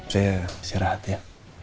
saya siarah hati ya